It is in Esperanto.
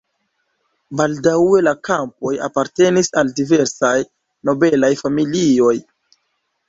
Baldaŭe la kampoj apartenis al diversaj nobelaj familioj.